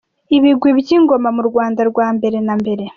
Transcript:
Ibigwi by’Ingoma mu Rwanda rwa mbere na mbere.